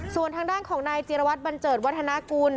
ส่วนทางด้านของนายจิรวัตรบันเจิดวัฒนากุล